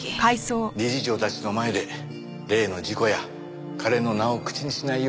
理事長たちの前で例の事故や彼の名を口にしないように。